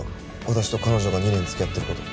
私と彼女が２年付き合ってる事。